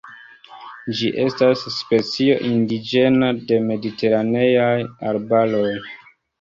Ĝi estas specio indiĝena de mediteraneaj arbaroj.